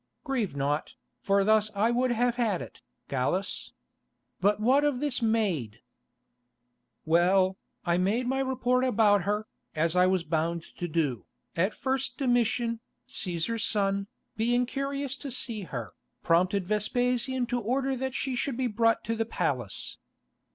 "Grieve not, for thus I would have had it, Gallus. But what of this maid?" "Well, I made my report about her, as I was bound to do, and at first Domitian, Cæsar's son, being curious to see her, prompted Vespasian to order that she should be brought to the palace.